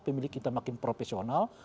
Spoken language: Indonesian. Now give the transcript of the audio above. pemilih kita makin profesional